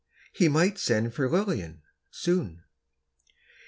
He might send for Lillian, soon.